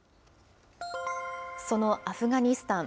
そのアフガニスタン。